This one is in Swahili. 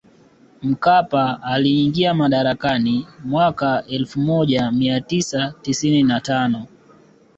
Mkapa aliingia madarakani mwaka elfu moja mia tisa tisini na tano